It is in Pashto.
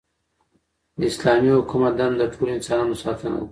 د اسلامي حکومت دنده د ټولو انسانانو ساتنه ده.